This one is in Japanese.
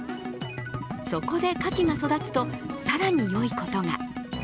そこでカキが育つと更によいことが。